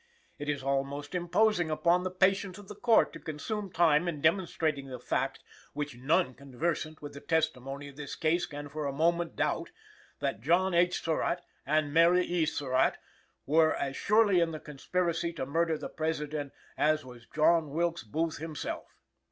"It is almost imposing upon the patience of the Court to consume time in demonstrating the fact, which none conversant with the testimony of this case can for a moment doubt, that John H. Surratt and Mary E. Surratt were as surely in the conspiracy to murder the President as was John Wilkes Booth himself."